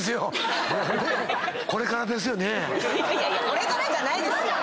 これからじゃないですよ！